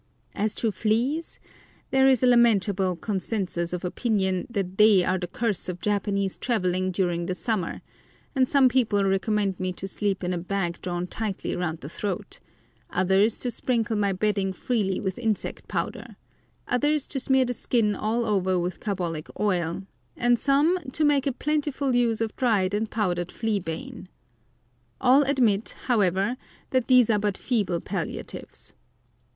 As to fleas, there is a lamentable concensus of opinion that they are the curse of Japanese travelling during the summer, and some people recommend me to sleep in a bag drawn tightly round the throat, others to sprinkle my bedding freely with insect powder, others to smear the skin all over with carbolic oil, and some to make a plentiful use of dried and powdered flea bane. All admit, however, that these are but feeble palliatives.